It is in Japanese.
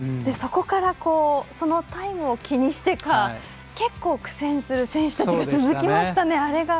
そこからそのタイムを気にしてか結構苦戦する選手たちが続きましたね。